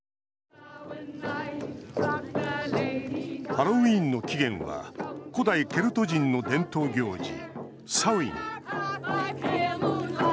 ハロウィーンの起源は古代ケルト人の伝統行事サウィン。